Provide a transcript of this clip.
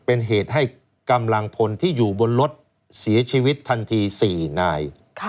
เป็นเหตุให้กำลังพลที่อยู่บนรถเสียชีวิตทันที๔นาย